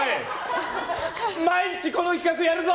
毎日この企画やるぞ！